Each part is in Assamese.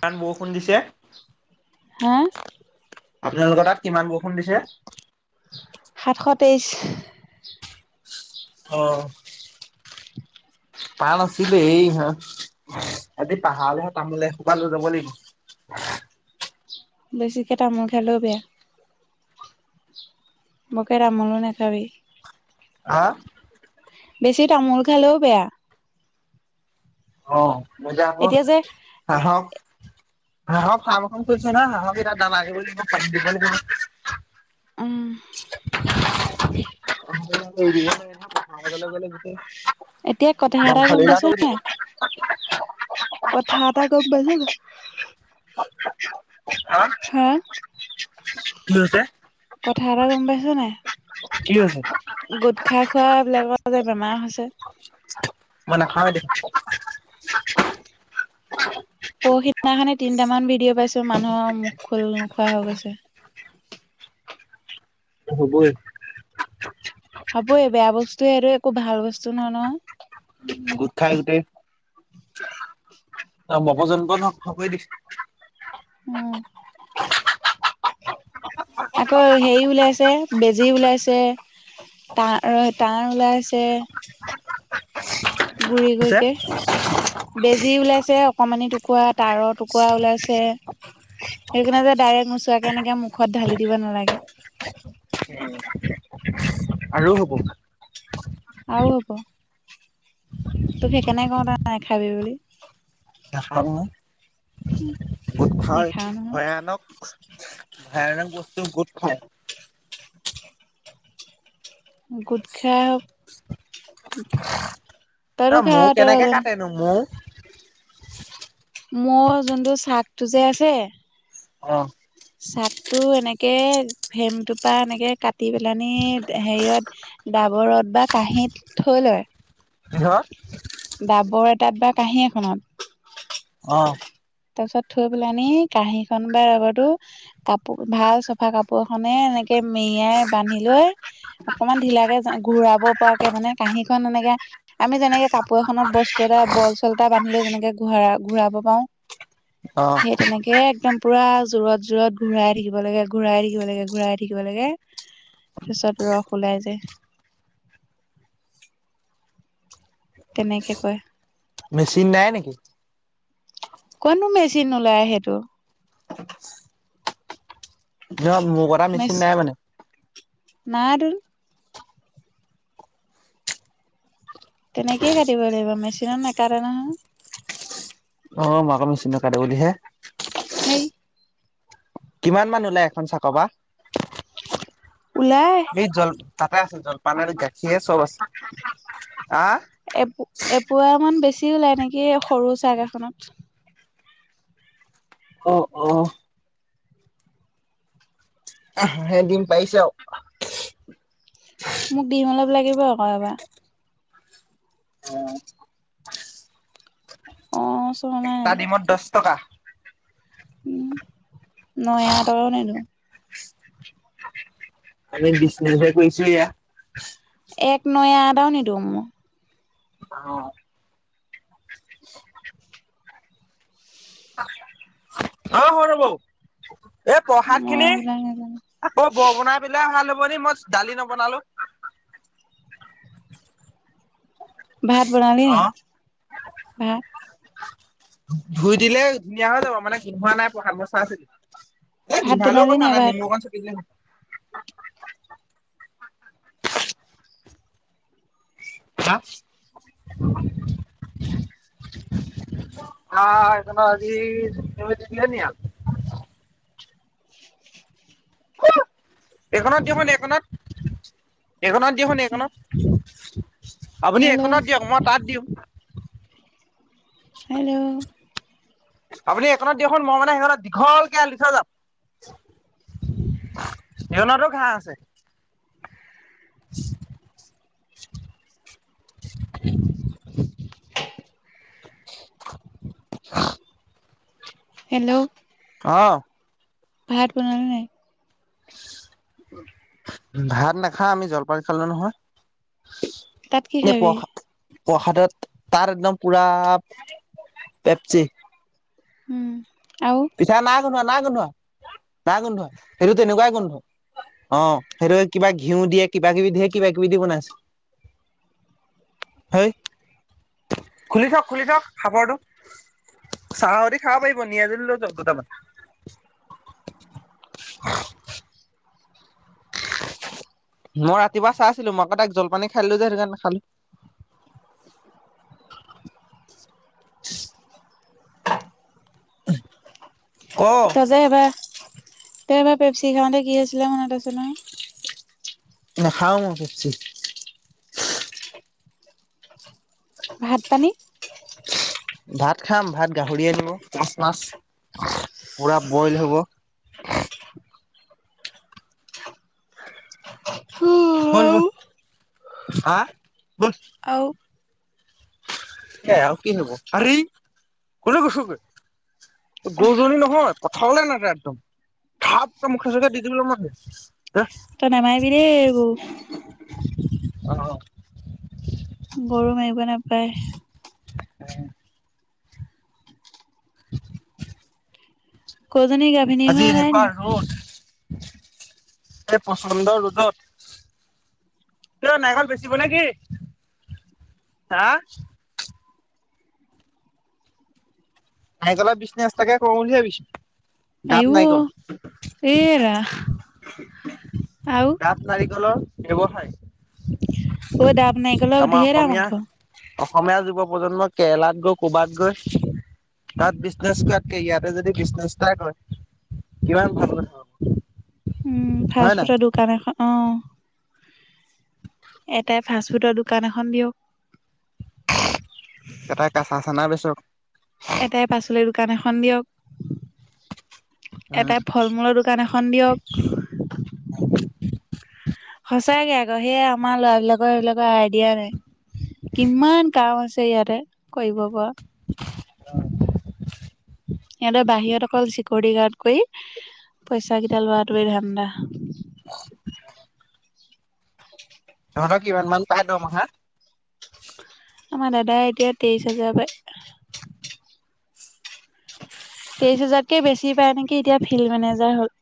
কণ বৰষুণ দিছে। হা। আপোনালোকৰ তাত কিমান বৰষুণ দিছে। সাতশ তেইছ। আহ পান আছিল এই হ আজি পাহাৰলৈহে তামোল এক সোপা যাব লাগিব। [unintelligible] বেছিকে তামোল খালেও বেয়া। বকেৰা তামোল নেখাৱি। আহ। বেছি তামোল খালেও বেয়া। অ মজা হব। এতিয়া যে [unintelligible] হ খখন কৰিছে না হ বি দামাগে বুলি ম [unintelligible] উম। [unintelligible] উৰিথাজলৈ গ'লে গোটেই। এতিয়া কথা এটা গম ধ্বংসলীলা পাইছা কৰি দিব নাই? কথা এটা গম পাইছ নাই। হা কি হৈছে কথা এটা গম পাইছ নে নাই। কি হৈছে গোটখা খোৱা বিলাকৰ যে বেমাৰ হৈছে মই নাখাওঁ এতিয়া। [inaudible] পৰহিদিনাখনে তিনটামান ভিডিঅ' পাইছো মানুহৰ মুখ খোল নোখোৱা হৈ গৈছে। [unintelligible] হ'বই' হ'বই বেয়া বস্তুৱয়ে এটো একো ভাল বস্তু নহয় ন। উম' গোটখাই গোটেই- অ' মগজ ন্ত ন খ কৰি দিছে। উম' বেজী ওলাইছে, তা তাঁৰ ওলাইছে। গুৰি গুৰি দিছে কে। বেজী ওলাইছে অকণমানি টুকুৰা, তাঁৰৰ টুকুৰা ওলাইছে। সেইকাৰণে যে ডাইৰেক্ট নোচোৱাকে এনেকে মুখত ঢালি দিব নালাগে। আৰু হ'ব। আও হ'ব। তোক সেইকাৰণে কওঁ ত নেখাবি বুলি। নাখাও নহয়। গোদখা নেখাও এতি নহয় ভয়ানক, ভয়ানক বস্তু গোটখা। গোটখা ন' মৌ' কেনেকে কাটে নো মৌ'। মৌ যোনটো চাকটো যে আছে অহ' চাকটো এনেকে ভেমটোপা এনেকে কাটি পেলানি হেৰিয়ত ডাবৰত বা কাঁহীত থৈ লয়। কিহত ডাবৰ এটাত বা কাঁহী এখনত। অ তাৰপিছত থৈ পেলানি কঁহী খন বা ডাবৰটো, কাপোৰ ভাল চফা কাপোৰ এখনে এনেকে মেৰিয়াই বান্ধি লৈ, অকনমান ঢিলাকে ঘূৰাব পৰাকে, মানে কাঁহীখন এনেকে আমি যেনেকে কাপোৰ এখনত বস্তু এটা বল-চল এটা বান্ধি লৈ যেনেকে ঘ ঘূৰাব পাৰো। সেই তেনেকে একদম পুৰা যোৰত, যোৰত ঘূৰাই থাকিব লাগে, ঘূৰাই থাকিব লাগে, ঘূৰাই থাকিব লাগে। তাৰ পিছত ৰস ওলাই যায়। তেনেকে কয়। মেচিন নাই নেকি? কতনো মেচিন ওলাই সেইটো। য় মৌ কটা মেচিন নাই মানে? নাইটো। তেনেকেইে কাটিব লাগিব, মেচিনত নেকাতে নহয়। অ ম আক মেচিনত কাতে বুলিহে। হেই'। কিমান মান ওলায় এখন চাক পা? ওলাই এই জল তাতে আছে, জলপান আৰু গাখীৰে চব আছে। আহ এপো এপোৱা মান বেছি ওলায় নেকি সৰু চাগ এখনত। অ' অ'। হাঁহে দিম পাইছে আও। মোক দিম অলপ লাগিব আকৌ এইবাৰ। অ'। অ চোৱা নাই একটা দিমত দহ টকা। উম' নয়া একাও নিদো। আমি বিজনেছ হে কৰিছো ইয়া। এক নয়া এটাও নিদিওঁ মই। অহ অ সৰু বৌ এই প্ৰসাদ মই খিনি এইবিলাক নাজানো আকৌ বৰ বনাই পেলাই অহালৈ মই দালি নবনালো। ভাত, বনালি অ ভাত- ধুই দিলে ধুনীয়া হৈ যাব মানে শুকুৱা নাই প্ৰসাদ এ ভাত শুকালেওঁ বনালি কথা নাই ভাত নেমু অকন চেপি দিলে ভাত অ তাৰ পৰা আজি এইখনত দিয়কচোন এইখনত এইখনত দিয়কচোন এইখনত আপুনি হেল্ল' এখনত দিয়ক মই তাত দিওঁ। হেল্ল''। আপুনি এইখনত দিয়কচোন মই মানে সেইখনত দীঘলকে আৰি থৈ যাম। নেউলটো ঘাঁহ আছে। [inaudible] [inaudible] [inaudible] হেল্ল' অঁ ভাত, বনালি নে নাই। ভাত নাখাওঁ আমি জলপান খালোঁ নহয়। তাত কি নে খাবি। প্ৰসা প্ৰসাদত, তাত একদম পুৰা পেপচি উম আৰু পিঠা না গোন্ধোৱা না গোন্ধোৱা না গোন্ধোৱা সেইটো তেনেকুৱাই গোন্ধ। অ সেইটো কিবা ঘিউ দিয়ে কিবা কিবি ধেই কিবা কিবি দি বনাইছে। হয় খুলি থক খুলি থক খাপৰটো। চাহেদি খাব পাৰিব নিয়ে‌‌ যদি তম‌ তম। মই ৰাতিপুৱা চাই আছিলোঁ মই আকৌ তাইক জলপানী খাই দিলো যে সেইকাৰণে নাখালোঁ। [inaudible] উহ তই যে এইবাৰ তই এবাৰ পেপচি খাওঁতে কি আছিলে মনত আছে নহ। নাখাওঁ মই পেপচি ভাত পানি ভাত খাম ভাত গাহৰি আনিব মাছ মাছ পুৰা বইল হ'ব। [inaudible] বইল আৰু বন হা বল আৰু এ আৰু কি হব, আৰে এই কলে গৈছ গে। গৰু, জনী নহৈ পথাৰলৈ নাযায় একদম। খাপ ‌কে মুখে চুখে দি দিলোঁ মই একদম তই নামাৰিবি দেই গৰু অহ গৰু, মাৰিব নাপায়। [inaudible] কৌজনী গাভিনী আজি হোৱা নাই এনেকুৱা নি? ৰদ। এহ পচন্দৰ ৰোদত খুৰী দেও নাৰিকল বেচিব নে কি হা নাৰিকলৰ বিছনেছ এতাকে কৰোঁ বুলি ভাবিছোঁ। আহ এইয়া ডাত নাৰিকলৰ ব্যৱসায়। অ' ডাব নাৰিকলৰ আমাৰ ঢেৰ দাম অসমীয়া আকৌ। অসমীয়া যুৱ প্ৰজন্ম কেৰেলাত গৈ ক'বাত গৈ তাত বিজনেজ কৰাতকে ইয়াতে যদি বিজনেছ তাই হয় কিমান ভাল কথা হব। উম হয় ফাষ্ট নাই? ফুটৰ দোকান এখন অ এটাই ফাষ্ট ফুডৰ দোকান এখন দিয়ক এটা কেঁচা চানা বেচক সন্দেয়ক উম এটাই ফল মূলৰ দোকান এখন দিয়ক- সঁচাকে আকৌ সেইয়া আমাৰ লৰাবিলাকৰ এইবিলাকৰ আইডিয়া নাই কিমান কাম আছে। তেয়াৰে কৰিব পৰা। অ সিহঁতৰ বাহিৰত অকল চিকিউৰিটি গাৰ্ড কৰি পইচা কেইটা লোৱাটোৱে ধান্দা- তহঁতৰ কিমান মান পাই দম আহা। আমাৰ দাদাই এতিয়া তেইশ হাজাৰ প তেইশ হোজাৰতকে বেছি পায় নেকি এতিয়া ফিল্ড মেনেজাৰ হল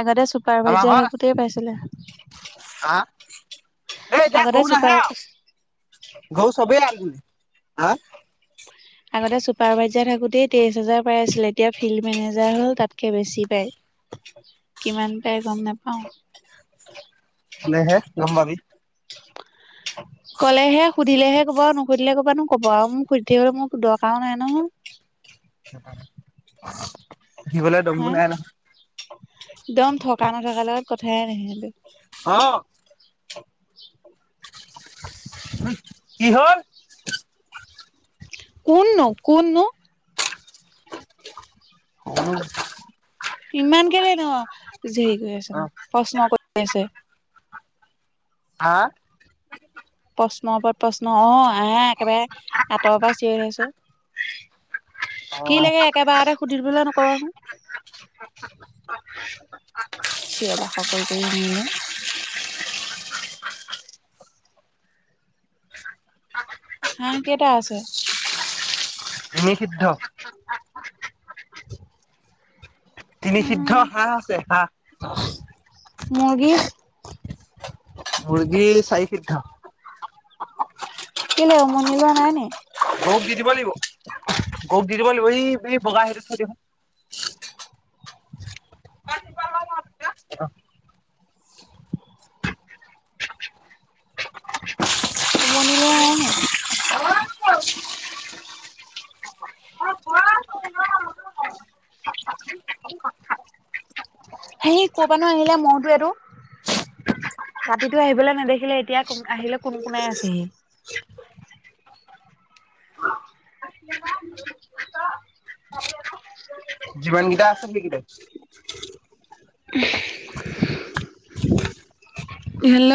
আগতে চুপাৰ আমাৰ ভাইজাৰ ঘৰত আছে থাকোতে পাইছিলে এ এতিয়া আগতে ঘৌ নাহে চুপাৰ আৰু ঘৌ চবেই আৰু হা আগতে চুপাৰভাইজাৰ থাকোতেই তেইশ হাজাৰ পাই আছিলে এতিয়া ফিল্ড মেনেজাৰ হ'ল তাতকে বেছি পায় কিমান পাই গম নাপাওঁ নহে লম্বাবি ক'লেহে সুধিলেহে ক'বা আৰু নুসুধিলে ক'বা নো ক'ব আৰু মোক সুধি থাক গলে মোক দৰকাৰ ও নাই নহয়। আহিবলৈ দম‌ও হা নাই নহয় একদম থকা নথকাৰ লগত কথাই নাহিছিলে। অ [unintelligible] কি হ'ল? কোন নো কোন নো উ [unintelligible] ইমান কেনে ন হেৰি কৰি আছে অ ন প্ৰশ্ন কৰি আছে হা প্ৰশ্ন ওপৰত প্ৰশ্ন আহ আহ একেবাৰে আঁতৰৰ পৰা চিঞৰি আছ কি অ লাগে একেবাৰতে সুধিবলৈ নকবা। চিঞ বাখৰ কৰি কৰি ইনে এনে হাহ কেইটা আছে। এনে সিদ্ধ তিনি সিদ্ধ হাঁহ আছে হাঁহ মুৰ্গী মুৰ্গী চাহি ফিদ্ধ কেলৈ উমনি লোৱা নাই নি গক দি দিব লাগিব গক দি দিব লাগিব এই ব বগা সেইটো থৈ দিব। থৈ দিব অ উমনি লোৱা নাই নি [unintelligible] সে ক'বানো আহিলে মোৰতো এইটো ৰাতিতটো আহিবলৈ নেদেখিলে এতিয়ান আহিলে কোন কোনে আছেহি জীৱন গেইটা আছে কিতে। [unintelligible] হেল্ল'।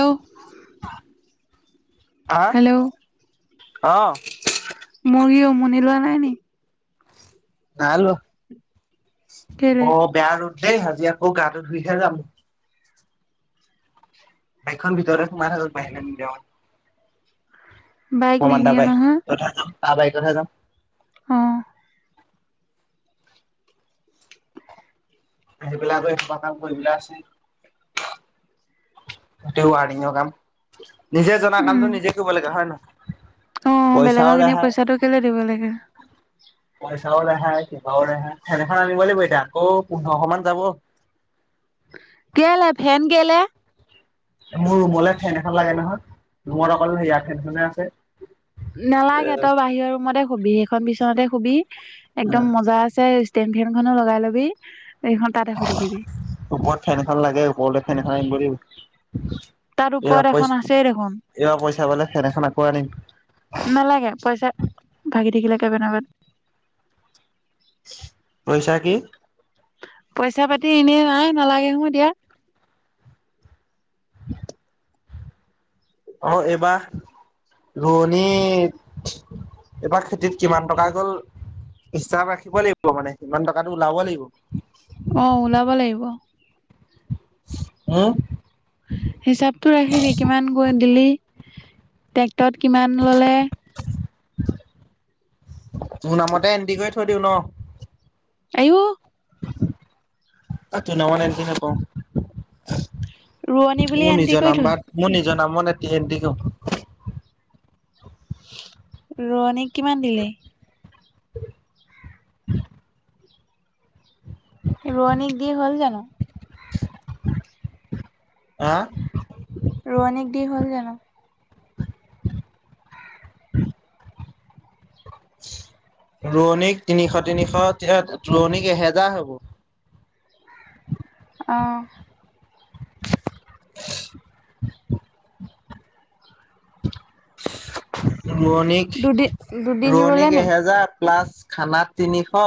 হা হেল্ল' অ। মুৰ্গী উমনি লোৱা নাই নি। নাই লোৱা। কেলে? অ বেয়া ৰ'দ দেই আজি আকৌ গাটো ধুইহে যাম। বাইকখন ভিতৰত সোমাই থাকক বাহিৰলৈ নিলে আৰু। বাইক প্ৰমমান এটা নিনিয়ে পাই তাৰ বাইকত হে যাম। অহ। সেইবিলাক গৈ সবা কাম কৰিবলে আছে। গোটেই ৱাইৰৰিঙ কাম নিজে জনা উম। কামটো নিজে কৰিব লাগে হয় নে নহয়। অ পইচাও বেলেগক এনে ৰেহাই পইচাটো কেলে দিব লাগে। পইচাও নাহে হে কিবাও নাহে। ফেন এখন আনিব লাগিব এতিয়া আকৌ পোন্ধৰশ মান যাব। কেলে ফেন কেলে। মোৰ ৰুমলে ফেন এখন লাগে নহয় ৰুমত অকলে সেয়াৰ ফেনখনে আছে। নালাগে তই বাহিৰৰ ৰুমতে শুবি সেইখন বিছনাতে শুবি একদম মজা আছে। ষ্টেন ফেন লগাই ল'বি। এইখন তাতে শুই থাকিবি। ওপৰত ফেন এখন লাগে ওপৰতে ফেন এখন আনিব। তাত এইবাৰ ওপৰত এখন পইচা, আছেই দেখোন। এইবাৰ পইচা পালে ফেন এখন আকৌ আনিম। নালাগে পইচা ভাগি থাকিলেহে বনাবত। পইচা কি। পইচা পাতি এনেই নাই নালাগে হয় দিয়া। [unintelligible] অ এইবাৰ। ৰোৱনী এবাৰ খেতিত কিমান টকা গ'ল। হিচাপ ৰাখিব লাগিব মানে সিমান টকাটো ওলাব লাগিব। আহ ওলাব লাগিব। ওম। হিচাপটো ৰাখিবি কিমান গৈ দিলি ট্ৰেক্টৰত কিমান ললে মোৰ নামতে এণ্টি কৰি থৈ দিওঁ ন। আইও। তোৰ নামত এণ্টি নকৰোঁ। ৰোৱনী বুলি মোৰ এন্টি নিজৰ কৰি থ নাম বাত মোৰ নিজৰ নামত এণ্টি কৰিম। ৰোৱনীক কিমান দিলে। [unintelligible] ৰোৱনীক দি হ'ল জানোঁ। অহ। ৰোৱনিক দি হ'ল জানোঁ। ৰোৱনীক তিনিশ তিনিশ ৰোৱনীক এহেজাৰ হ'ব। অহ। [unintelligible] ৰোৱনীক দুদিন দুদিন ৰুলে ৰোৱনীক নি? এহেজাৰ। প্লাছ খানা তিনিশ।